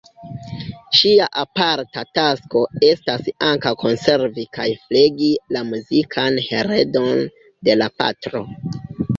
Ŝia aparta tasko estas ankaŭ konservi kaj flegi la muzikan heredon de la patro.